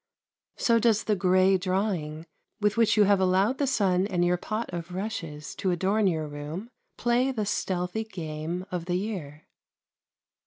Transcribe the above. So does the grey drawing, with which you have allowed the sun and your pot of rushes to adorn your room, play the stealthy game of the year.